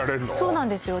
そうなんですよ